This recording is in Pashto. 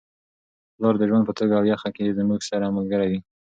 پلار د ژوند په توده او یخه کي زموږ سره ملګری وي.